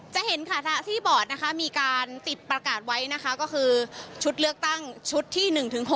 จะเห็นค่ะที่บอร์ดนะคะมีการติดประกาศไว้นะคะก็คือชุดเลือกตั้งชุดที่๑๖